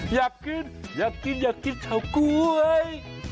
อยากกินอยากกินเฉาก๊วย